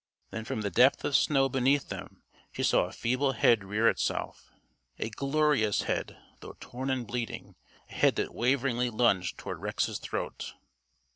Then from the depth of snow beneath them she saw a feeble head rear itself a glorious head, though torn and bleeding a head that waveringly lunged toward Rex's throat.